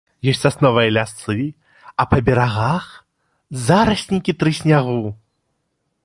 Ёсць сасновыя лясы, а па берагах зараснікі трыснягу.